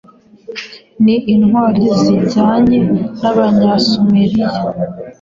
ni intwari zijyanye nAbanyasumeriya